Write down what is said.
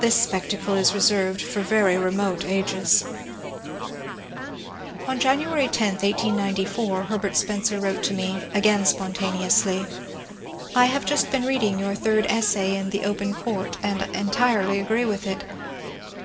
This spectacle is reserved for very remote ages." On January 10, 1894, Herbert Spencer wrote to me — again spontaneoudy: I have just been reading your third essay in The Open G>urt," and entirely agree Mrith it.